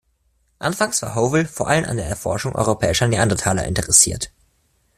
Anfangs war Howell vor allem an der Erforschung europäischer Neandertaler interessiert.